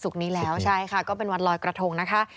นี้แล้วใช่ค่ะก็เป็นวันลอยกระทงนะคะ